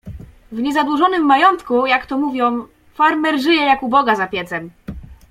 "W niezadłużonym majątku, jak to mówią, farmer żyje jak u Boga za piecem."